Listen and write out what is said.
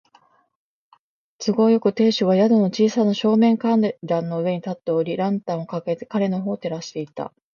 都合よく、亭主が宿の小さな正面階段の上に立っており、ランタンをかかげて彼のほうを照らしていた。